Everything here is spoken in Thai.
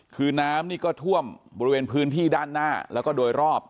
คือน้ำนี่ก็ท่วมบริเวณพื้นที่ด้านหน้าแล้วก็โดยรอบ